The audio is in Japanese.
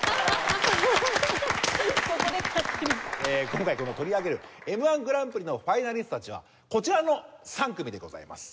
今回取り上げるＭ−１グランプリのファイナリストたちはこちらの３組でございます。